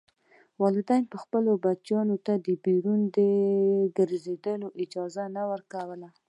والدینو به خپلو بچیانو ته بیرون د ګرځېدو اجازه نه ورکوله.